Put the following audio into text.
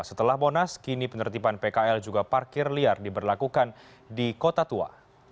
setelah monas kini penertiban pkl juga parkir liar diberlakukan di kota tua